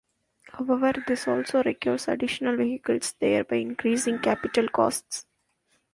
However, this also requires additional vehicles, thereby increasing capital costs.